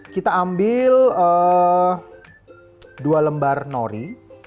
kita ambil dua lembar nori